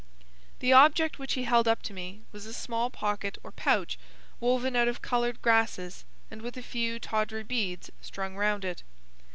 The object which he held up to me was a small pocket or pouch woven out of coloured grasses and with a few tawdry beads strung round it.